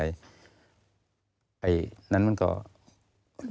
พ่อที่รู้ข่าวอยู่บ้าง